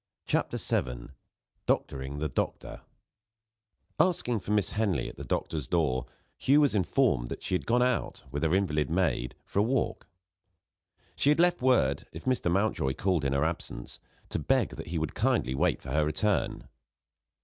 CHAPTER VII DOCTORING THE DOCTOR ASKING for Miss Henley at the doctor's door, Hugh was informed that she had gone out, with her invalid maid, for a walk. She had left word, if Mr. Mountjoy called in her absence, to beg that he would kindly wait for her return.